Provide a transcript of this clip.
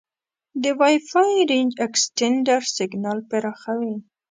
د وای فای رینج اکسټینډر سیګنال پراخوي.